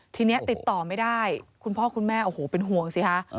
ทีนี้ติดต่อไม่ได้คุณพ่อคุณแม่โอ้โหเป็นห่วงสิคะ